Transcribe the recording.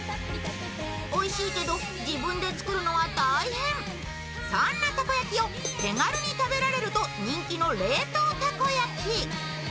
おいしいけど、自分で作るのは大変そんなたこ焼きを手軽に食べられると人気の冷凍たこ焼き。